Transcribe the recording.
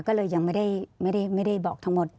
ก็เลยยังไม่ได้บอกทั้งหมด